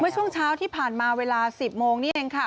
ช่วงเช้าที่ผ่านมาเวลา๑๐โมงนี่เองค่ะ